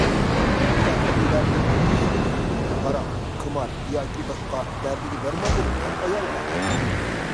ئۇنداقتا ئۇ دەردىنى كىمگە ئېيتىدۇ؟ ھاراق، قىمار ياكى باشقا دەردىگە دەرمان بولىدىغان ئايالغا.